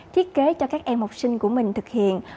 thiết kế cho các em học sinh của mình thực hiện